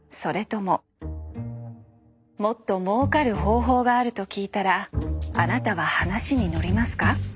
もっともうかる方法があると聞いたらあなたは話に乗りますか？